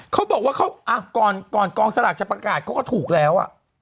เขาบอกว่าเขาก่อนกองสลากจะประกาศเขาก็ถูกแล้ว